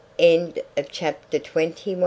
CHAPTER TWENTY TWO.